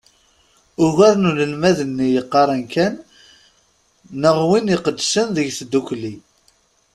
Ugar n unelmad-nni yeqqaren kan neɣ win iqeddcen deg tddukli.